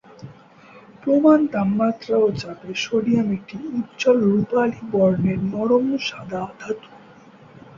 প্রমাণ তাপমাত্রা ও চাপে সোডিয়াম একটি উজ্জ্বল রূপালী বর্ণের নরম সাদা ধাতু।